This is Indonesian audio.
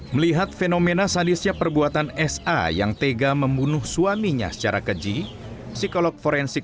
melihat fenomena sadisnya perbuatan sa yang tega membunuh suaminya secara keji psikolog forensik